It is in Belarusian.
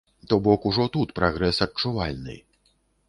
То бок ужо тут прагрэс адчувальны.